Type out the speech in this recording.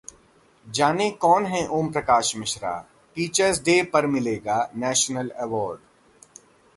जानें- कौन हैं ओम प्रकाश मिश्रा, टीचर्स डे पर मिलेगा 'नेशनल अवॉर्ड'